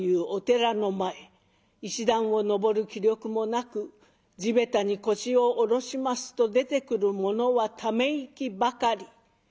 石段を上る気力もなく地べたに腰を下ろしますと出てくるものはため息ばかり。